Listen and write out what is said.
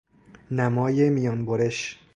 نمای میان برش